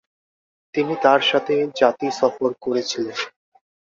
তিনি তার সাথে জাতি সফর করেছিলেন।